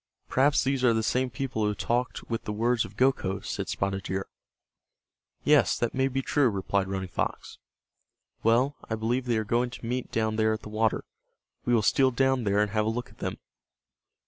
"Perhaps these are the same people who talked with the words of Gokhos," said Spotted Deer. "Yes, that may be true," replied Running Fox. "Well, I believe they are going to meet down there at the water. We will steal down there and have a look at them."